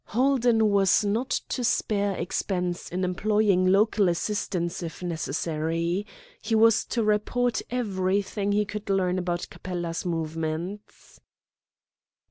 Holden was not to spare expense in employing local assistance if necessary. He was to report everything he could learn about Capella's movements.